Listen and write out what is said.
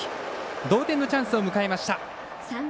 同点のチャンスを迎えました。